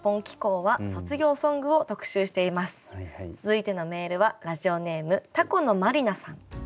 続いてのメールはラジオネームたこの真理奈さん。